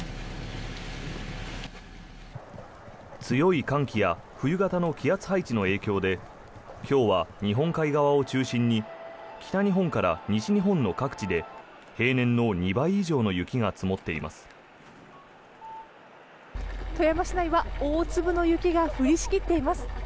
強い寒気や冬型の気圧配置の影響で今日は日本海側を中心に北日本から西日本の各地で平年の２倍以上の雪が積もっています。